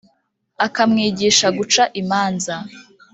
akamwigisha guca imanza,